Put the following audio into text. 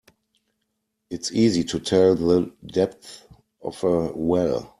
It's easy to tell the depth of a well.